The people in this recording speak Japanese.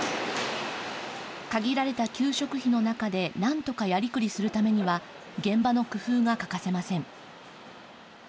限られた給食費の中でなんとかやりくりするためには現場の工夫が欠かせません。